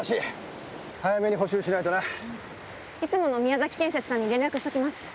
いつものミヤザキ建設さんに連絡しておきます。